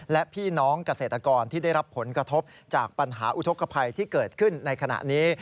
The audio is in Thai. และพี่น้องเกษตรกรที่ได้รับผลกระทบจากปัญหาอุทธกภัยที่เกิดขึ้นในขณะนี้